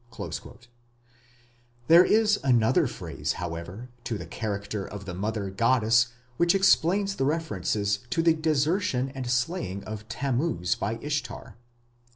" There is another phase, however, to the character of the mother goddess which explains the references to the desertion and slaying of Tammuz by Ishtar.